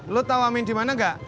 lu tau amin dimana gak